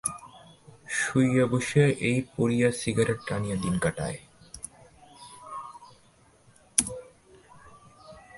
শুইয়া বসিয়া বই পড়িয়া সিগারেট টানিয়া দিন কাটায়।